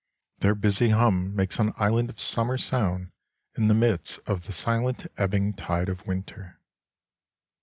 Their busy hum makes an island of summer sound in the midst of the silent ebbing tide of winter.